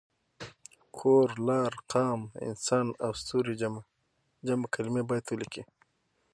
کور، لار، قام، انسان او ستوری جمع کلمې باید ولیکي.